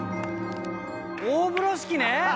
大風呂敷ね。